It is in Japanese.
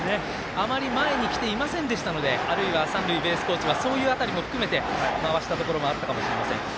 あまり前に来てなかったのであるいは三塁ベースコーチはそういう辺りも含めて回したところもあったかもしれません。